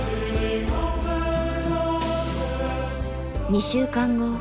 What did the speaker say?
２週間後。